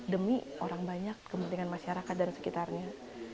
demi orang banyak kepentingan masyarakat dan sekitarnya